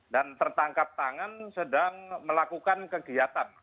dan tertangkap tangan sedang melakukan kegiatan